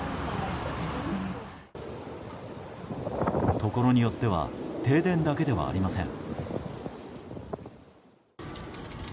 ところによっては停電だけではありません。